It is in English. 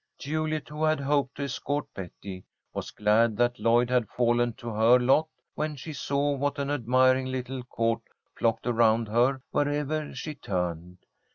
Juliet, who had hoped to escort Betty, was glad that Lloyd had fallen to her lot when she saw what an admiring little court flocked around her wherever she turned.